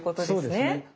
そうですね。